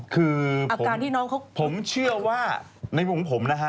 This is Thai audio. คือผมเชื่อว่าในมุมผมนะฮะ